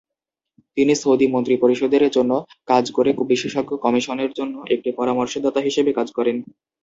তিনি সৌদি মন্ত্রিপরিষদের জন্য কাজ করে বিশেষজ্ঞ কমিশনের জন্য একটি পরামর্শদাতা হিসেবে কাজ করেন।